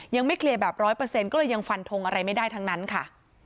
ยังไม่เคลียร์แบบร้อยเปอร์เซ็นต์ก็เลยยังฟันทงอะไรไม่ได้ทั้งนั้นค่ะ